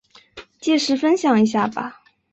届时分享一下吧